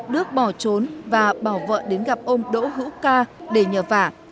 đức bỏ trốn và bảo vợ đến gặp ông đỗ hữu ca để nhờ vả